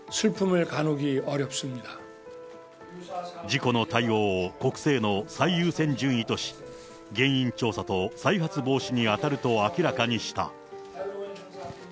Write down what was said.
事故の対応を国政の最優先順位とし、原因調査と再発防止に当たると明らかにした。